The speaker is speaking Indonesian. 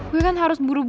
gue kan harus buru buru sih